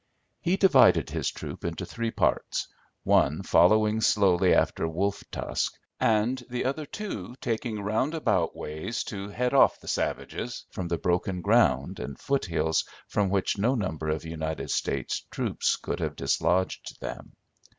"He divided his troop into three parts, one following slowly after Wolf Tusk, and the other two taking roundabout ways to head off the savages from the broken ground and foothills from which no number of United States troops could have dislodged them.